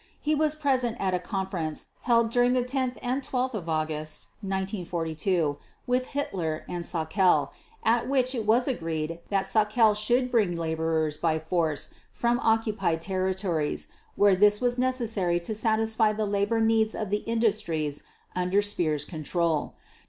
He was present at a conference held during 10 and 12 August 1942 with Hitler and Sauckel, at which it was agreed that Sauckel should bring laborers by force from occupied territories where this was necessary to satisfy the labor needs of the industries under Speer's control.